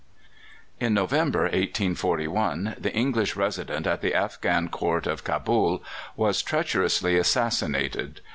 In November, 1841, the English Resident at the Afghan Court of Cabul was treacherously assassinated.